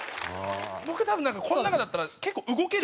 僕多分この中だったら結構動ける。